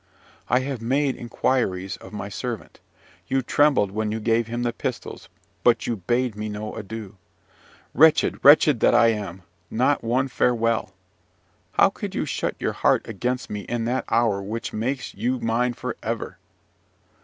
I have made inquiries of my servant. You trembled when you gave him the pistols, but you bade me no adieu. Wretched, wretched that I am not one farewell! How could you shut your heart against me in that hour which makes you mine for ever?